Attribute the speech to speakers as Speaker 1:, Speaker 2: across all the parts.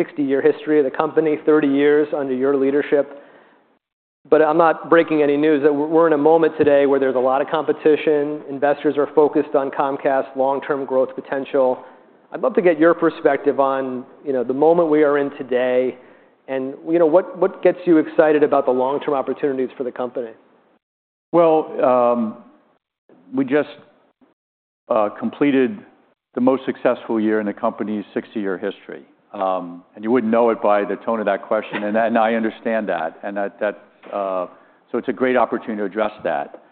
Speaker 1: 60-year history of the company, 30 years under your leadership. But I'm not breaking any news. We're in a moment today where there's a lot of competition. Investors are focused on Comcast's long-term growth potential. I'd love to get your perspective on the moment we are in today and what gets you excited about the long-term opportunities for the company.
Speaker 2: We just completed the most successful year in the company's 60-year history. You wouldn't know it by the tone of that question, and I understand that. It's a great opportunity to address that.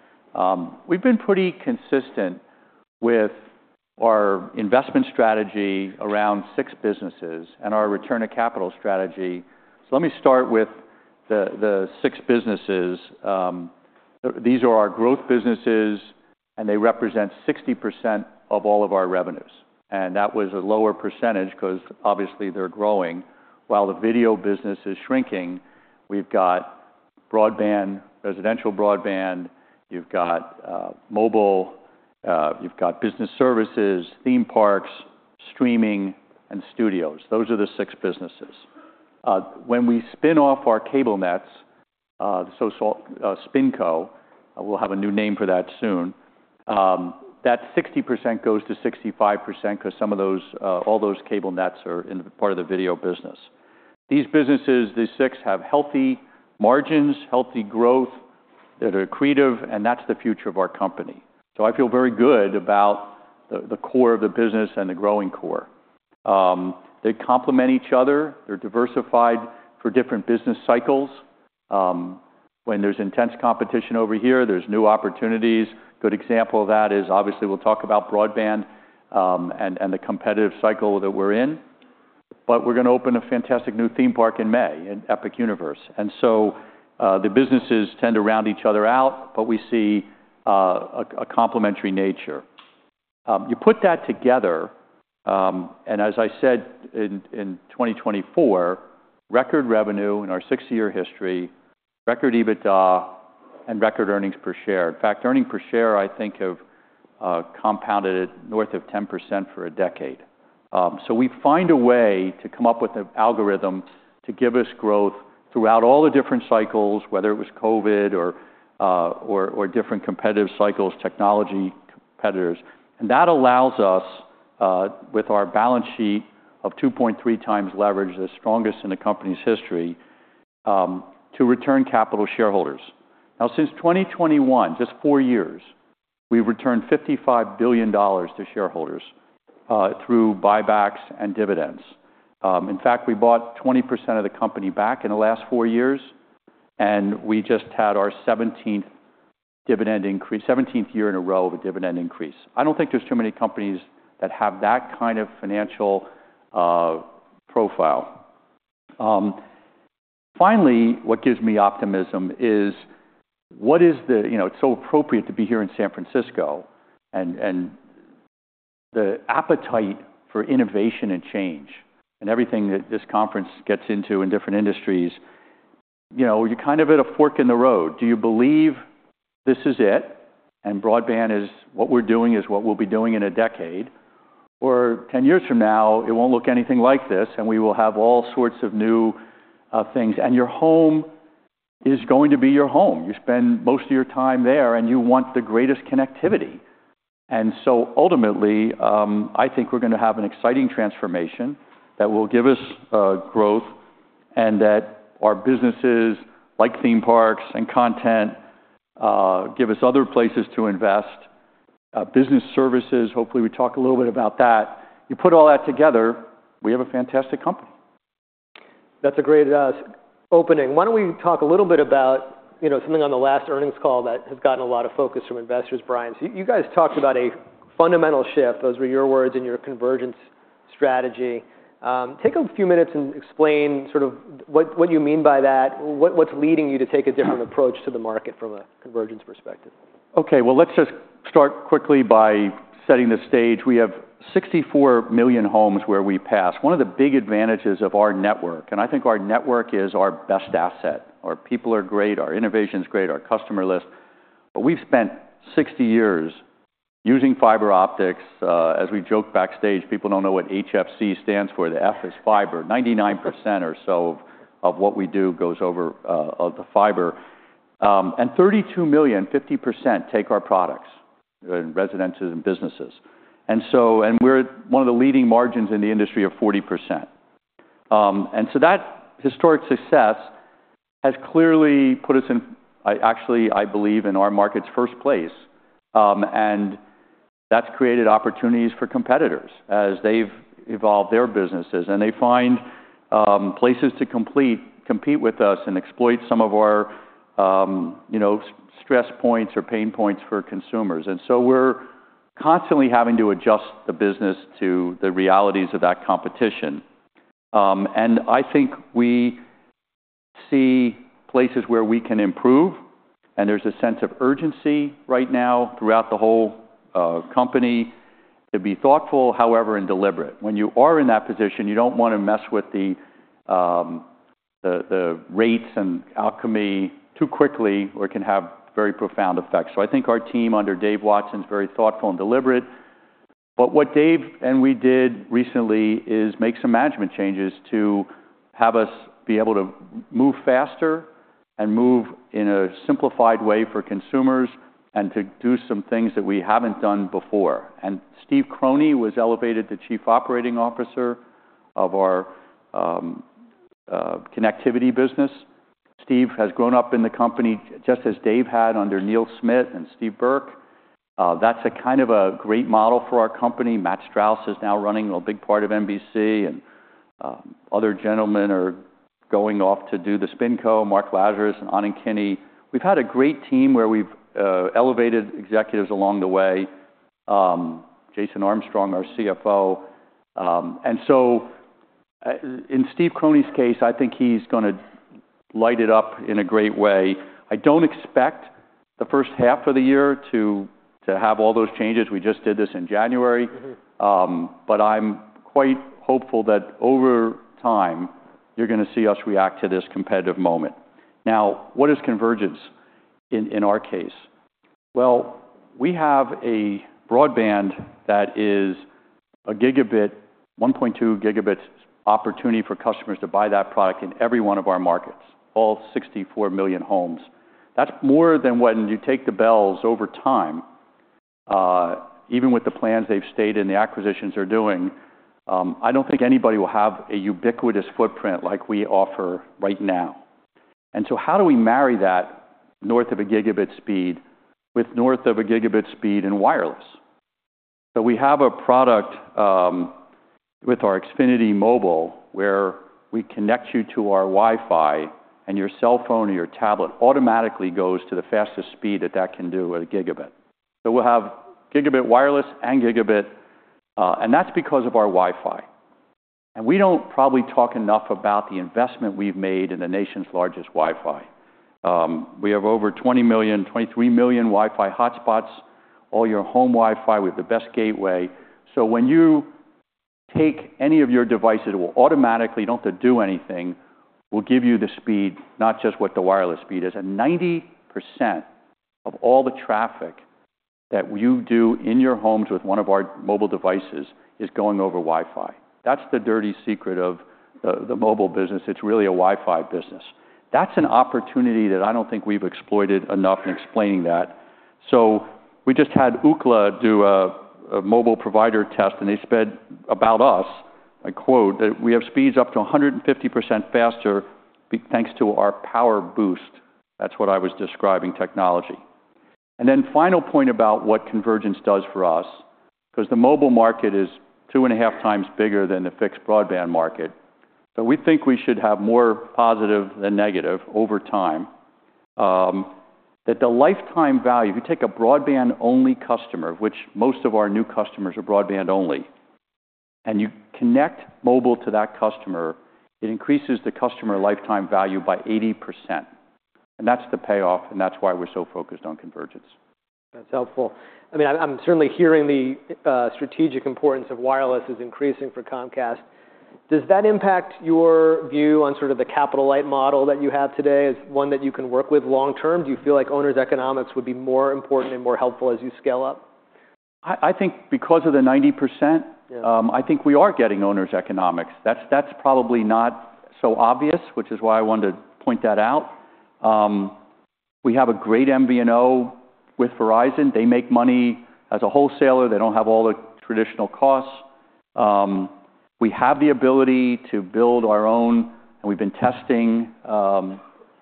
Speaker 2: We've been pretty consistent with our investment strategy around six businesses and our return to capital strategy. Let me start with the six businesses. These are our growth businesses, and they represent 60% of all of our revenues. That was a lower percentage because, obviously, they're growing. While the video business is shrinking, we've got broadband, residential broadband, you've got mobile, you've got business services, theme parks, streaming, and studios. Those are the six businesses. When we spin off our cable nets, so SpinCo, we'll have a new name for that soon, that 60% goes to 65% because all those cable nets are in part of the video business. These businesses, the six, have healthy margins, healthy growth. They're creative, and that's the future of our company, so I feel very good about the core of the business and the growing core. They complement each other. They're diversified for different business cycles. When there's intense competition over here, there's new opportunities. A good example of that is, obviously, we'll talk about broadband and the competitive cycle that we're in, but we're going to open a fantastic new theme park in May in Epic Universe, and so the businesses tend to round each other out, but we see a complementary nature. You put that together, and as I said, in 2024, record revenue in our 60-year history, record EBITDA, and record earnings per share. In fact, earnings per share, I think, have compounded north of 10% for a decade. So we find a way to come up with an algorithm to give us growth throughout all the different cycles, whether it was COVID or different competitive cycles, technology competitors. And that allows us, with our balance sheet of 2.3x leverage, the strongest in the company's history, to return capital to shareholders. Now, since 2021, just four years, we've returned $55 billion to shareholders through buybacks and dividends. In fact, we bought 20% of the company back in the last four years, and we just had our 17th year in a row of a dividend increase. I don't think there's too many companies that have that kind of financial profile. Finally, what gives me optimism is, it's so appropriate to be here in San Francisco and the appetite for innovation and change and everything that this conference gets into in different industries. You're kind of at a fork in the road. Do you believe this is it, and what we're doing is what we'll be doing in a decade, or 10 years from now, it won't look anything like this and we will have all sorts of new things, and your home is going to be your home. You spend most of your time there, and you want the greatest connectivity, and so ultimately, I think we're going to have an exciting transformation that will give us growth and that our businesses, like theme parks and content, give us other places to invest. Business services, hopefully, we talk a little bit about that. You put all that together, we have a fantastic company. That's a great opening. Why don't we talk a little bit about something on the last earnings call that has gotten a lot of focus from investors, Brian? So you guys talked about a fundamental shift. Those were your words and your convergence strategy. Take a few minutes and explain what you mean by that, what's leading you to take a different approach to the market from a convergence perspective. Okay, well, let's just start quickly by setting the stage. We have 64 million homes where we pass. One of the big advantages of our network, and I think our network is our best asset. Our people are great, our innovation is great, our customer list. But we've spent 60 years using fiber optics. As we joke backstage, people don't know what HFC stands for. The F is fiber. 99% or so of what we do goes over the fiber, and 32 million, 50%, take our products in residences and businesses, and we're one of the leading margins in the industry of 40%, and so that historic success has clearly put us in, actually, I believe, in our market's first place. And that's created opportunities for competitors as they've evolved their businesses and they find places to compete with us and exploit some of our stress points or pain points for consumers. And so we're constantly having to adjust the business to the realities of that competition. And I think we see places where we can improve, and there's a sense of urgency right now throughout the whole company to be thoughtful, however, and deliberate. When you are in that position, you don't want to mess with the rates and alchemy too quickly, or it can have very profound effects. So I think our team under Dave Watson is very thoughtful and deliberate. But what Dave and we did recently is make some management changes to have us be able to move faster and move in a simplified way for consumers and to do some things that we haven't done before. And Steve Croney was elevated to Chief Operating Officer of our connectivity business. Steve has grown up in the company just as Dave had under Neil Smit and Steve Burke. That's a kind of a great model for our company. Matt Strauss is now running a big part of NBC, and other gentlemen are going off to do the SpinCo, Mark Lazarus, and Anand Kini. We've had a great team where we've elevated executives along the way. Jason Armstrong, our CFO. And so in Steve Croney's case, I think he's going to light it up in a great way. I don't expect the first half of the year to have all those changes. We just did this in January. But I'm quite hopeful that over time, you're going to see us react to this competitive moment. Now, what is convergence in our case? We have a broadband that is a gigabit, 1.2 Gb opportunity for customers to buy that product in every one of our markets, all 64 million homes. That's more than when you take the bells over time. Even with the plans they've stayed in, the acquisitions they're doing, I don't think anybody will have a ubiquitous footprint like we offer right now, and so how do we marry that north of a gigabit speed with north of a gigabit speed in wireless. We have a product with our Xfinity Mobile where we connect you to our Wi-Fi, and your cell phone or your tablet automatically goes to the fastest speed that that can do at a gigabit. We'll have gigabit wireless and gigabit, and that's because of our Wi-Fi. We don't probably talk enough about the investment we've made in the nation's largest Wi-Fi. We have over 20 million, 23 million Wi-Fi hotspots, all your home Wi-Fi with the best gateway. So when you take any of your devices, it will automatically, you don't have to do anything, will give you the speed, not just what the wireless speed is, and 90% of all the traffic that you do in your homes with one of our mobile devices is going over Wi-Fi. That's the dirty secret of the mobile business. It's really a Wi-Fi business. That's an opportunity that I don't think we've exploited enough in explaining that. So we just had Ookla do a mobile provider test, and they said about us, I quote, "that we have speeds up to 150% faster thanks to our power boost." That's what I was describing technology. And then, final point about what convergence does for us, because the mobile market is two and a half times bigger than the fixed broadband market, but we think we should have more positive than negative over time. That the lifetime value, if you take a broadband-only customer, which most of our new customers are broadband-only, and you connect mobile to that customer, it increases the customer lifetime value by 80%. And that's the payoff, and that's why we're so focused on convergence. That's helpful. I mean, I'm certainly hearing the strategic importance of wireless is increasing for Comcast. Does that impact your view on sort of the capital-light model that you have today as one that you can work with long term? Do you feel like owner's economics would be more important and more helpful as you scale up? I think because of the 90%, I think we are getting owner's economics. That's probably not so obvious, which is why I wanted to point that out. We have a great MVNO with Verizon. They make money as a wholesaler. They don't have all the traditional costs. We have the ability to build our own, and we've been testing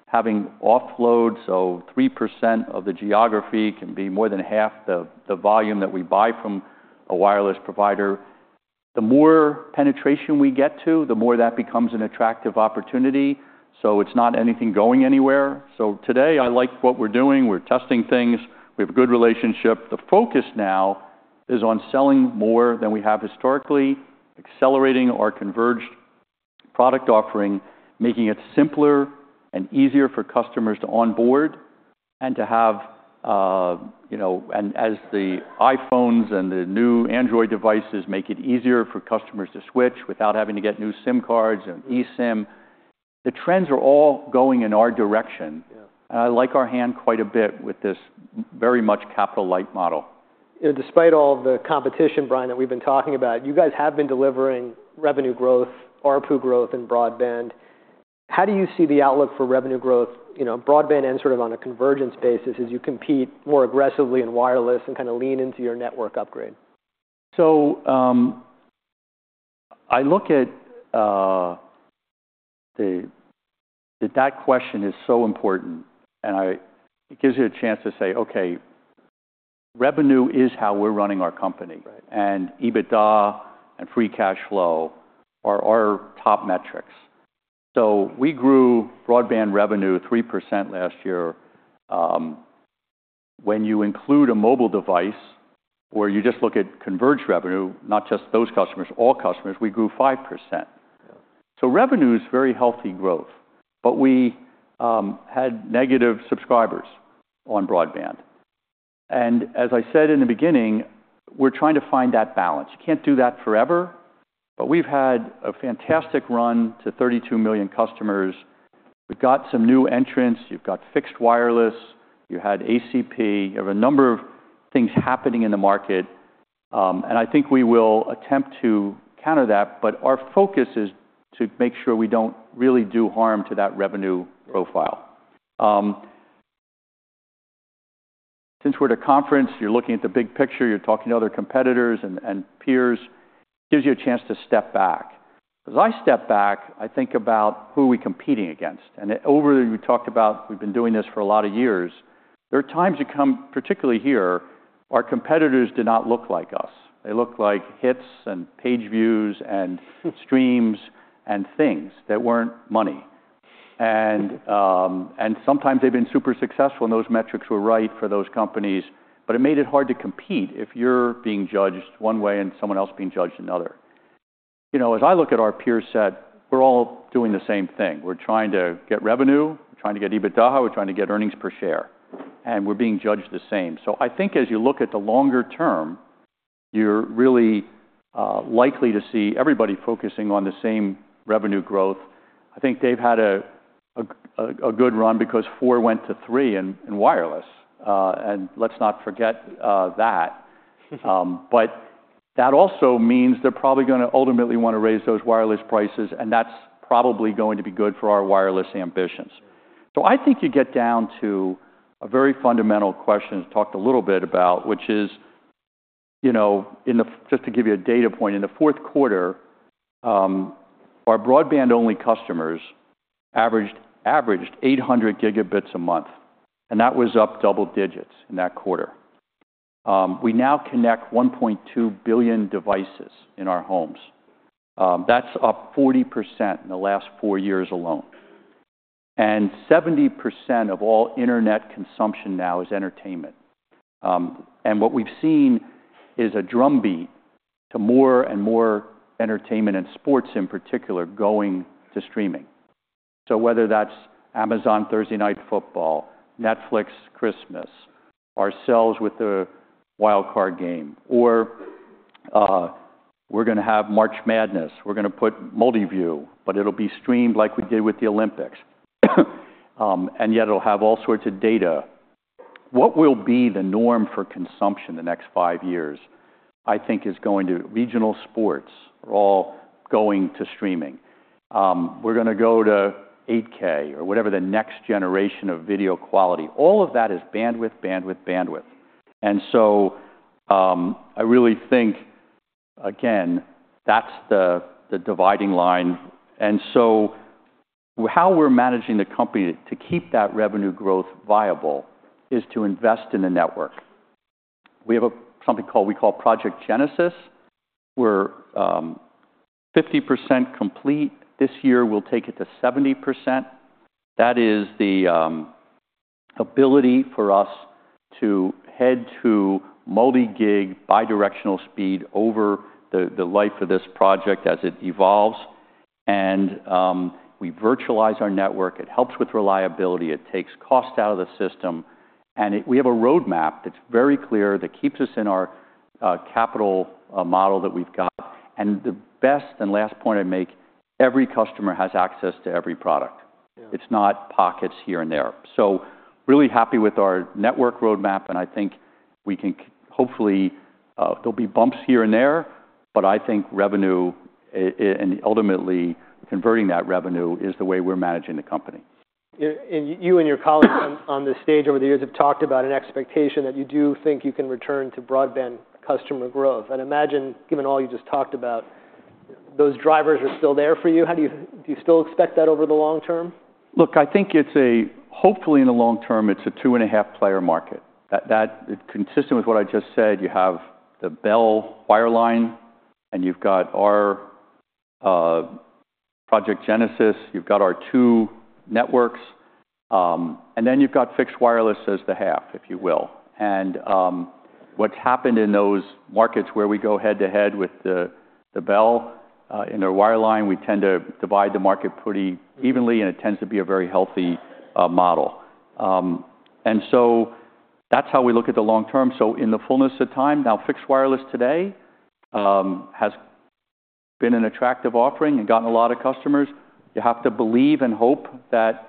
Speaker 2: having offload, so 3% of the geography can be more than half the volume that we buy from a wireless provider. The more penetration we get to, the more that becomes an attractive opportunity. So it's not anything going anywhere. So today, I like what we're doing. We're testing things. We have a good relationship. The focus now is on selling more than we have historically, accelerating our converged product offering, making it simpler and easier for customers to onboard and to have, and as the iPhones and the new Android devices make it easier for customers to switch without having to get new SIM cards and eSIM. The trends are all going in our direction, and I like our hand quite a bit with this very much capital-light model. Despite all the competition, Brian, that we've been talking about, you guys have been delivering revenue growth, RPU growth in broadband. How do you see the outlook for revenue growth? Broadband ends sort of on a convergence basis as you compete more aggressively in wireless and kind of lean into your network upgrade. So I look at that question is so important, and it gives you a chance to say, okay, revenue is how we're running our company. And EBITDA and free cash flow are our top metrics. So we grew broadband revenue 3% last year. When you include a mobile device or you just look at converged revenue, not just those customers, all customers, we grew 5%. So revenue is very healthy growth, but we had negative subscribers on broadband. And as I said in the beginning, we're trying to find that balance. You can't do that forever, but we've had a fantastic run to 32 million customers. We've got some new entrants. You've got fixed wireless. You had ACP. You have a number of things happening in the market. I think we will attempt to counter that, but our focus is to make sure we don't really do harm to that revenue profile. Since we're at a conference, you're looking at the big picture. You're talking to other competitors and peers. It gives you a chance to step back. As I step back, I think about who are we competing against? And over, you talked about we've been doing this for a lot of years. There are times that come, particularly here, our competitors did not look like us. They looked like hits and page views and streams and things that weren't money. And sometimes they've been super successful, and those metrics were right for those companies, but it made it hard to compete if you're being judged one way and someone else being judged another. As I look at our peer set, we're all doing the same thing. We're trying to get revenue. We're trying to get EBITDA. We're trying to get earnings per share, and we're being judged the same. So I think as you look at the longer term, you're really likely to see everybody focusing on the same revenue growth. I think they've had a good run because four went to three in wireless, and let's not forget that, but that also means they're probably going to ultimately want to raise those wireless prices, and that's probably going to be good for our wireless ambitions. So I think you get down to a very fundamental question to talk a little bit about, which is, just to give you a data point, in the fourth quarter, our broadband-only customers averaged 800 gigabits a month, and that was up double digits in that quarter. We now connect 1.2 billion devices in our homes. That's up 40% in the last four years alone, and 70% of all internet consumption now is entertainment, and what we've seen is a drumbeat to more and more entertainment and sports in particular going to streaming, so whether that's Amazon Thursday Night Football, Netflix Christmas, ourselves with the wild card game, or we're going to have March Madness, we're going to put Multiview, but it'll be streamed like we did with the Olympics, and yet it'll have all sorts of data. What will be the norm for consumption the next five years, I think is going to regional sports are all going to streaming. We're going to go to 8K or whatever the next generation of video quality. All of that is bandwidth, bandwidth, bandwidth, and so I really think, again, that's the dividing line. And so how we're managing the company to keep that revenue growth viable is to invest in the network. We have something we call Project Genesis. We're 50% complete. This year, we'll take it to 70%. That is the ability for us to head to multi-gig bidirectional speed over the life of this project as it evolves. And we virtualize our network. It helps with reliability. It takes cost out of the system. And we have a roadmap that's very clear that keeps us in our capital model that we've got. And the best and last point I make, every customer has access to every product. It's not pockets here and there. So really happy with our network roadmap, and I think we can hopefully there'll be bumps here and there, but I think revenue and ultimately converting that revenue is the way we're managing the company. You and your colleagues on the stage over the years have talked about an expectation that you do think you can return to broadband customer growth. Imagine, given all you just talked about, those drivers are still there for you. Do you still expect that over the long term? Look, I think it's a hopefully in the long term, it's a two and a half player market. Consistent with what I just said, you have the Bell wireline, and you've got our Project Genesis. You've got our two networks. And then you've got fixed wireless as the half, if you will. And what's happened in those markets where we go head to head with the Bell in our wireline, we tend to divide the market pretty evenly, and it tends to be a very healthy model. And so that's how we look at the long term. So in the fullness of time, now fixed wireless today has been an attractive offering and gotten a lot of customers. You have to believe and hope that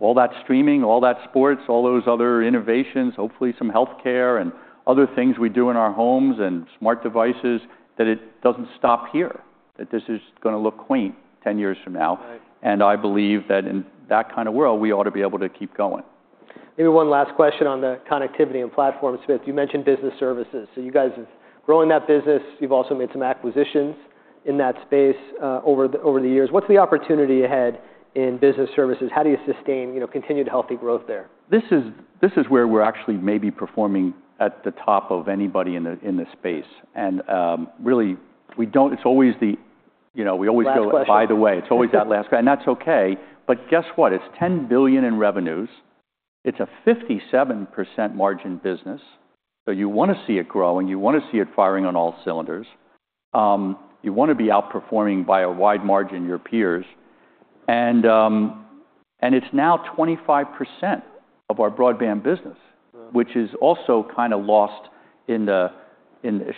Speaker 2: all that streaming, all that sports, all those other innovations, hopefully some healthcare and other things we do in our homes and smart devices, that it doesn't stop here, that this is going to look quaint 10 years from now, and I believe that in that kind of world, we ought to be able to keep going. Maybe one last question on the connectivity and platforms. You mentioned business services. So you guys are growing that business. You've also made some acquisitions in that space over the years. What's the opportunity ahead in business services? How do you sustain continued healthy growth there? This is where we're actually maybe performing at the top of anybody in the space, and really, it's always the, we always go by the way. It's always that last guy, and that's okay, but guess what? It's $10 billion in revenues. It's a 57% margin business, so you want to see it growing. You want to see it firing on all cylinders. You want to be outperforming by a wide margin your peers, and it's now 25% of our broadband business, which is also kind of lost in the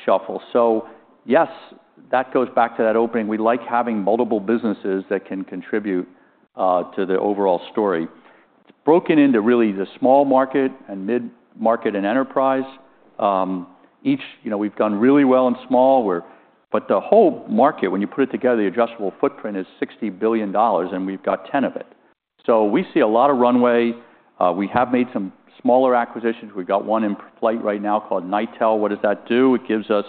Speaker 2: shuffle, so yes, that goes back to that opening. We like having multiple businesses that can contribute to the overall story. It's broken into really the small market and mid-market and enterprise. Each, we've done really well in small, but the whole market, when you put it together, the addressable footprint is $60 billion, and we've got ten of it. So we see a lot of runway. We have made some smaller acquisitions. We've got one in flight right now called Nitel. What does that do? It gives us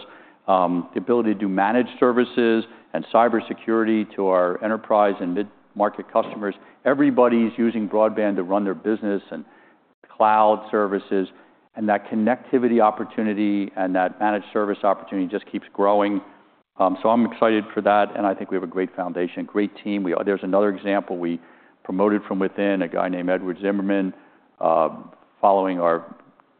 Speaker 2: the ability to do managed services and cybersecurity to our enterprise and mid-market customers. Everybody's using broadband to run their business and cloud services. And that connectivity opportunity and that managed service opportunity just keeps growing. So I'm excited for that. And I think we have a great foundation, great team. There's another example we promoted from within, a guy named Edward Zimmermann, following our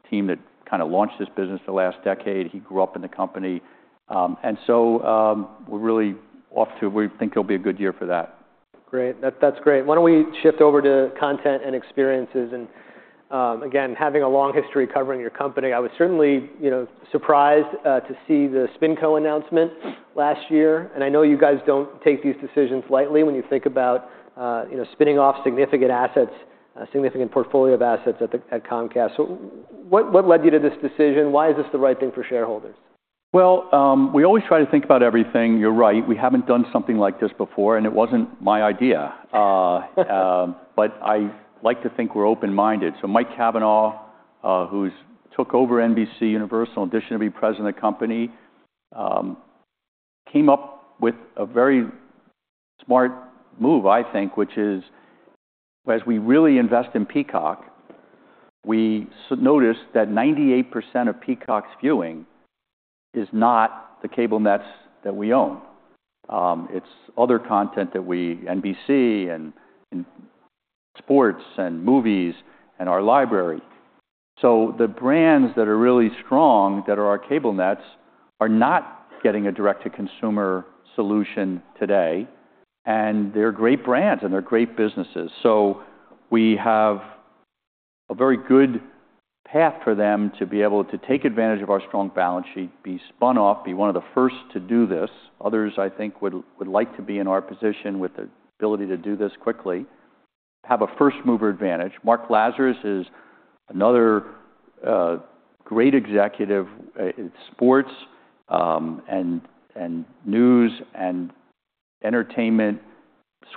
Speaker 2: team that kind of launched this business the last decade. He grew up in the company. And so we're really off to, we think it'll be a good year for that. Great. That's great. Why don't we shift over to content and experiences? And again, having a long history covering your company, I was certainly surprised to see the SpinCo announcement last year. And I know you guys don't take these decisions lightly when you think about spinning off significant assets, significant portfolio of assets at Comcast. So what led you to this decision? Why is this the right thing for shareholders? Well, we always try to think about everything. You're right. We haven't done something like this before, and it wasn't my idea. But I like to think we're open-minded. So Mike Cavanagh, who took over NBCUniversal and auditioned to be president of the company, came up with a very smart move, I think, which is, as we really invest in Peacock, we noticed that 98% of Peacock's viewing is not the cable nets that we own. It's other content that we, NBC and sports and movies and our library. So the brands that are really strong, that are our cable nets, are not getting a direct-to-consumer solution today. And they're great brands, and they're great businesses. So we have a very good path for them to be able to take advantage of our strong balance sheet, be spun off, be one of the first to do this. Others, I think, would like to be in our position with the ability to do this quickly, have a first-mover advantage. Mark Lazarus is another great executive in sports and news and entertainment,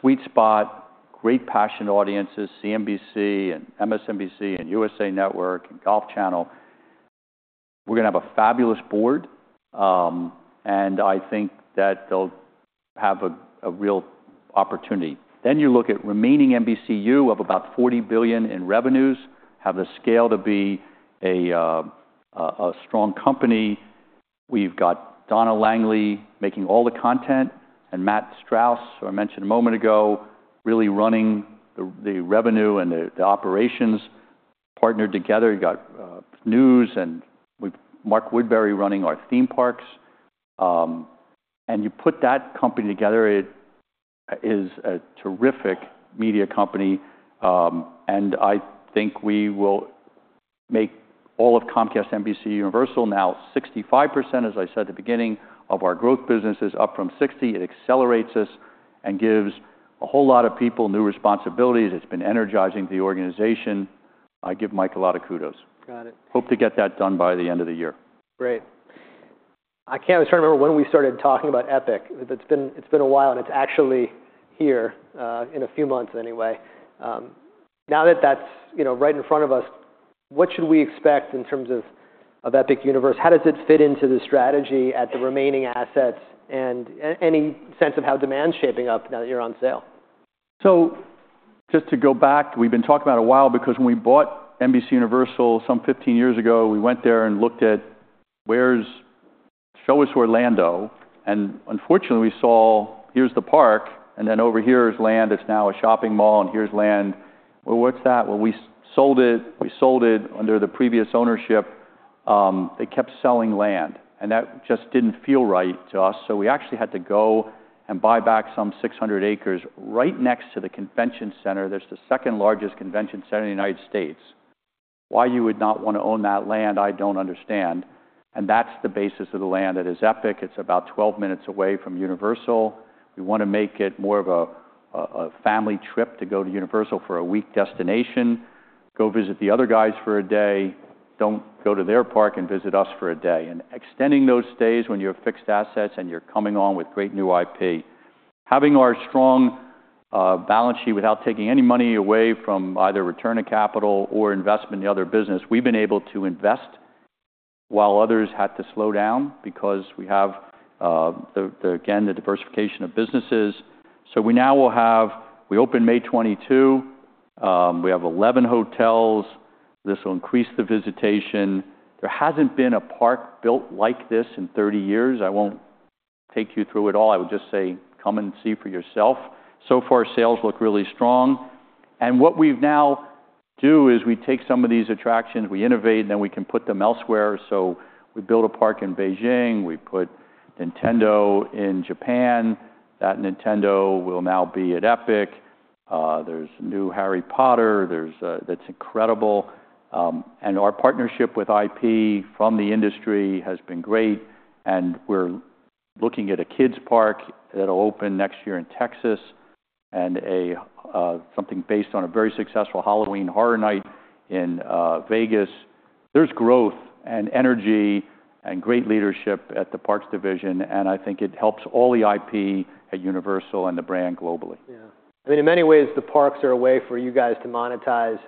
Speaker 2: sweet spot, great passion audiences, CNBC and MSNBC and USA Network and Golf Channel. We're going to have a fabulous board. And I think that they'll have a real opportunity. Then you look at remaining NBCU of about $40 billion in revenues, have the scale to be a strong company. We've got Donna Langley making all the content and Matt Strauss, who I mentioned a moment ago, really running the revenue and the operations partnered together. You've got news and Mark Woodbury running our theme parks. And you put that company together, it is a terrific media company. I think we will make all of Comcast NBCUniversal now 65%, as I said at the beginning, of our growth businesses, up from 60%. It accelerates us and gives a whole lot of people new responsibilities. It has been energizing the organization. I give Mike a lot of kudos. Got it. Hope to get that done by the end of the year. Great. I can't always remember when we started talking about Epic. It's been a while, and it's actually here in a few months anyway. Now that that's right in front of us, what should we expect in terms of Epic Universe? How does it fit into the strategy at the remaining assets and any sense of how demand's shaping up now that you're on sale? So just to go back, we've been talking about it a while because when we bought NBCUniversal some 15 years ago, we went there and looked at. "Show us where Orlando." And unfortunately, we saw, "here's the park, and then over here is land that's now a shopping mall, and here's land." "Well, what's that?" "Well, we sold it." We sold it under the previous ownership. They kept selling land. And that just didn't feel right to us. So we actually had to go and buy back some 600 acres right next to the convention center. That's the second largest convention center in the United States. Why you would not want to own that land, I don't understand. And that's the basis of the land. It is Epic. It's about 12 minutes away from Universal. We want to make it more of a family trip to go to Universal for a week destination. Go visit the other guys for a day. Don't go to their park and visit us for a day, and extending those stays when you have fixed assets and you're coming on with great new IP. Having our strong balance sheet without taking any money away from either return to capital or investment in the other business, we've been able to invest while others had to slow down because we have, again, the diversification of businesses. So we now will have. We open May 22. We have 11 hotels. This will increase the visitation. There hasn't been a park built like this in 30 years. I won't take you through it all. I would just say come and see for yourself. So far, sales look really strong. What we now do is we take some of these attractions, we innovate, and then we can put them elsewhere. We built a park in Beijing. We put Nintendo in Japan. That Nintendo will now be at Epic. There's new Harry Potter. That's incredible. And our partnership with IP from the industry has been great. And we're looking at a kids' park that'll open next year in Texas and something based on a very successful Halloween Horror Night in Vegas. There's growth and energy and great leadership at the parks division. And I think it helps all the IP at Universal and the brand globally. Yeah. I mean, in many ways, the parks are a way for you guys to monetize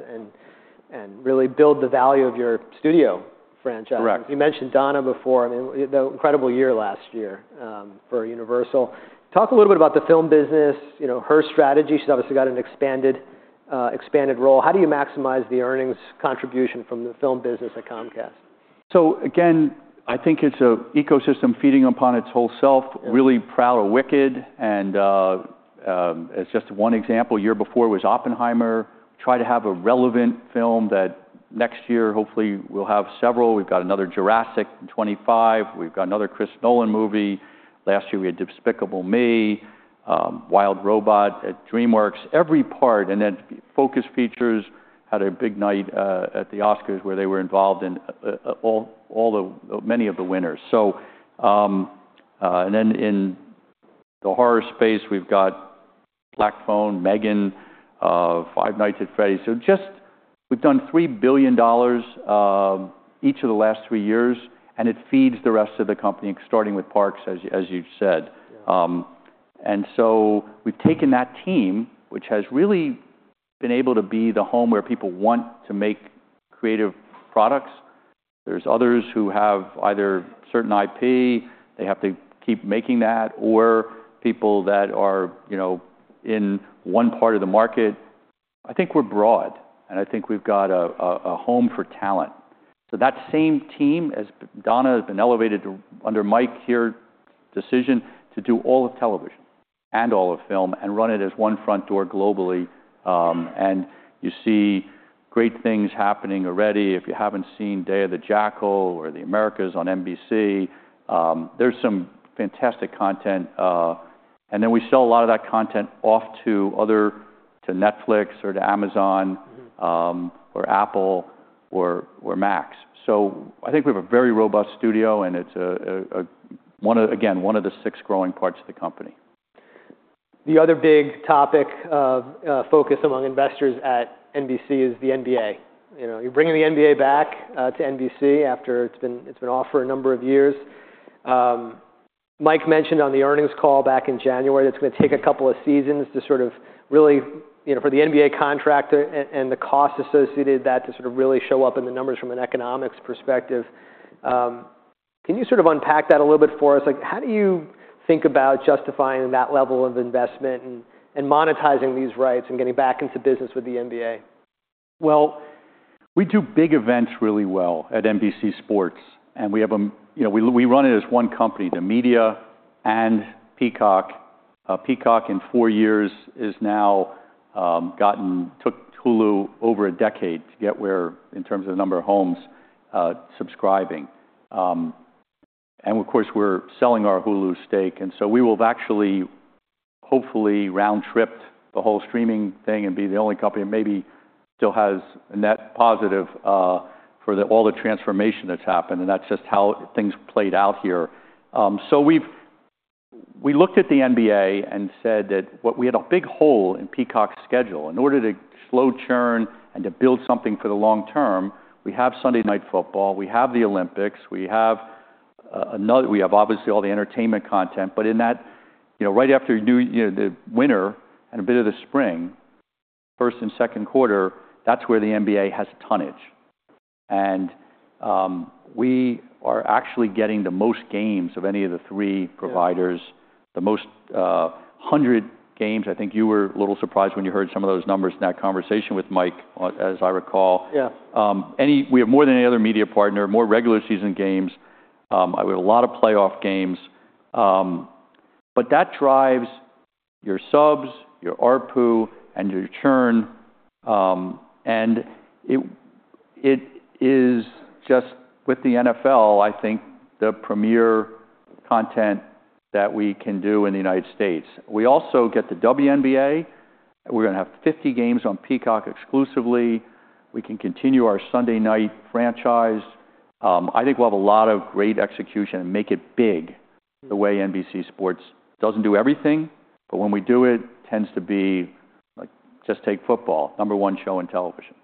Speaker 2: and really build the value of your studio franchise. Correct. You mentioned Donna before. I mean, the incredible year last year for Universal. Talk a little bit about the film business, her strategy. She's obviously got an expanded role. How do you maximize the earnings contribution from the film business at Comcast? So, again, I think it's an ecosystem feeding upon its whole self. Really proud of Wicked. And as just one example, the year before was Oppenheimer. Try to have a relevant film that next year, hopefully, we'll have several. We've got another Jurassic in 2025. We've got another Chris Nolan movie. Last year, we had Despicable Me, Wild Robot at DreamWorks. Every part. And then Focus Features had a big night at the Oscars where they were involved in all many of the winners. And then in the horror space, we've got Black Phone, M3GAN, Five Nights at Freddy's. So just we've done $3 billion each of the last three years. And it feeds the rest of the company, starting with parks, as you said. And so we've taken that team, which has really been able to be the home where people want to make creative products. There's others who have either certain IP, they have to keep making that, or people that are in one part of the market. I think we're broad, and I think we've got a home for talent, so that same team, as Donna has been elevated under Mike Cavanagh's decision to do all of television and all of film and run it as one front door globally, and you see great things happening already. If you haven't seen The Day of the Jackal or Context on NBC, there's some fantastic content, and then we sell a lot of that content off to Netflix or to Amazon or Apple or Max, so I think we have a very robust studio, and it's again, one of the six growing parts of the company. The other big topic of focus among investors at NBC is the NBA. You're bringing the NBA back to NBC after it's been off for a number of years. Mike mentioned on the earnings call back in January that it's going to take a couple of seasons to sort of really for the NBA contract and the cost associated with that to sort of really show up in the numbers from an economics perspective. Can you sort of unpack that a little bit for us? How do you think about justifying that level of investment and monetizing these rights and getting back into business with the NBA? Well, we do big events really well at NBC Sports. And we run it as one company, the edia and Peacock. Peacock in four years has now gotten to what took Hulu over a decade to get to, where in terms of the number of homes subscribing. And of course, we're selling our Hulu stake. And so we will have actually hopefully round-tripped the whole streaming thing and be the only company that maybe still has a net positive for all the transformation that's happened. And that's just how things played out here. So we looked at the NBA and said that we had a big hole in Peacock's schedule. In order to slow churn and to build something for the long term, we have Sunday Night Football. We have the Olympics. We have obviously all the entertainment content. But in that right after the winter and a bit of the spring, first and second quarter, that's where the NBA has tonnage. And we are actually getting the most games of any of the three providers, the most 100 games. I think you were a little surprised when you heard some of those numbers in that conversation with Mike, as I recall. We have more than any other media partner, more regular season games. We have a lot of playoff games. But that drives your subs, your ARPU, and your churn. And it is just with the NFL, I think the premier content that we can do in the United States. We also get the WNBA. We're going to have 50 games on Peacock exclusively. We can continue our Sunday Night franchise. I think we'll have a lot of great execution and make it big, the way NBC Sports doesn't do everything. But when we do it, it tends to be like, just take football, number one show in television.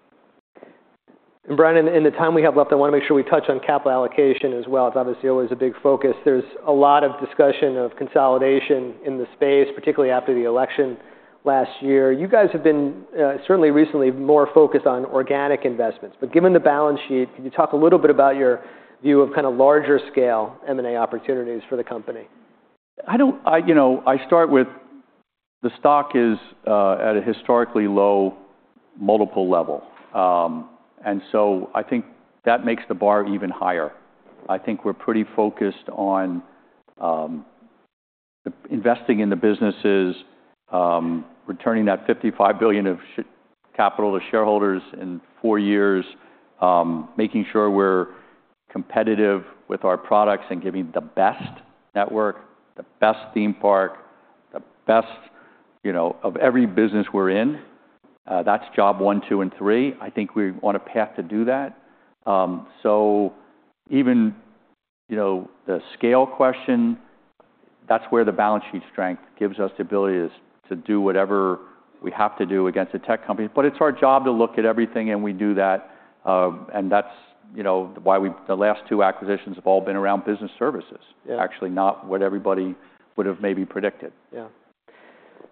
Speaker 2: And Brian, in the time we have left, I want to make sure we touch on capital allocation as well. It's obviously always a big focus. There's a lot of discussion of consolidation in the space, particularly after the election last year. You guys have been certainly recently more focused on organic investments. But given the balance sheet, can you talk a little bit about your view of kind of larger scale M&A opportunities for the company? I start with the stock is at a historically low multiple level. And so I think that makes the bar even higher. I think we're pretty focused on investing in the businesses, returning that $55 billion of capital to shareholders in four years, making sure we're competitive with our products and giving the best network, the best theme park, the best of every business we're in. That's job one, two, and three. I think we're on a path to do that. So even the scale question, that's where the balance sheet strength gives us the ability to do whatever we have to do against the tech companies. But it's our job to look at everything, and we do that. And that's why the last two acquisitions have all been around business services, actually not what everybody would have maybe predicted. Yeah,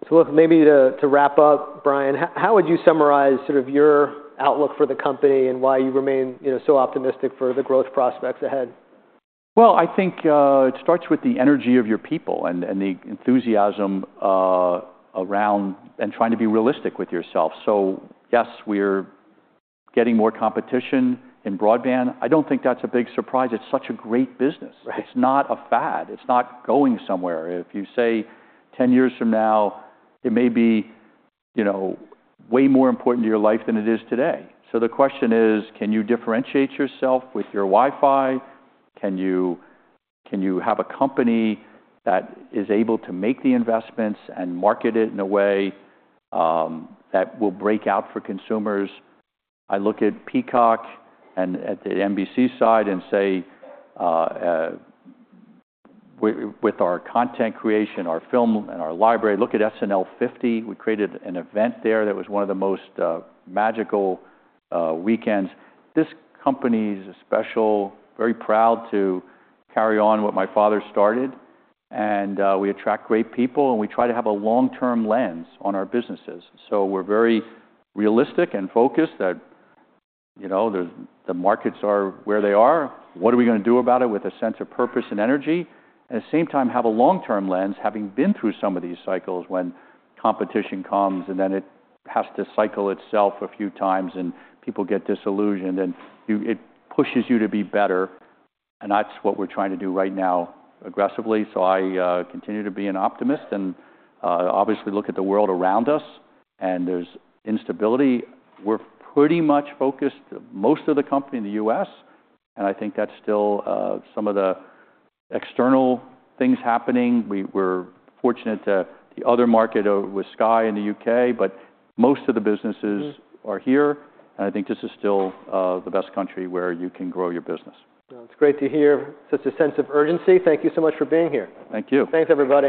Speaker 2: so look, maybe to wrap up, Brian, how would you summarize sort of your outlook for the company and why you remain so optimistic for the growth prospects ahead? Well, I think it starts with the energy of your people and the enthusiasm around and trying to be realistic with yourself. So yes, we're getting more competition in broadband. I don't think that's a big surprise. It's such a great business. It's not a fad. It's not going somewhere. If you say 10 years from now, it may be way more important to your life than it is today. So the question is, can you differentiate yourself with your Wi-Fi? Can you have a company that is able to make the investments and market it in a way that will break out for consumers? I look at Peacock and at the NBC side and say with our content creation, our film, and our library, look at SNL50. We created an event there that was one of the most magical weekends. This company is special, very proud to carry on what my father started. And we attract great people, and we try to have a long-term lens on our businesses. So we're very realistic and focused that the markets are where they are. What are we going to do about it with a sense of purpose and energy? At the same time, have a long-term lens, having been through some of these cycles when competition comes and then it has to cycle itself a few times and people get disillusioned and it pushes you to be better. And that's what we're trying to do right now aggressively. So I continue to be an optimist and obviously look at the world around us. And there's instability. We're pretty much focused most of the company in the U.S. And I think that's still some of the external things happening. We're fortunate in the other market with Sky in the U.K., but most of the businesses are here, and I think this is still the best country where you can grow your business. It's great to hear such a sense of urgency. Thank you so much for being here. Thank you. Thanks, everybody.